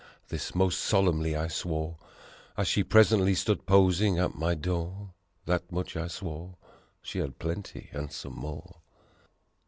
This most solemnly I swore, As she presently stood posing at my door. That much I swore: She had plenty, and some more.